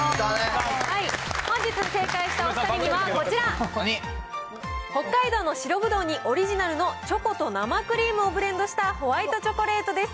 本日正解したお２人にはこちら、北海道の白ぶどうにオリジナルのチョコと生クリームをブレンドしたホワイトチョコレートです。